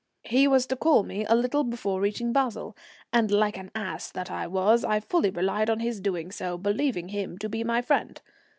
He was to call me a little before reaching Basle, and, like an ass that I was, I fully relied on his doing so, believing him to be my friend.